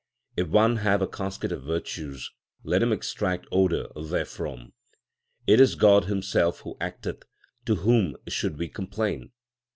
If one have a casket of virtues, let him extract odour therefrom. It is God Himself who acteth ; to whom should we complain